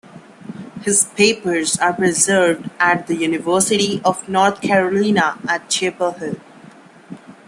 His papers are preserved at the University of North Carolina at Chapel Hill.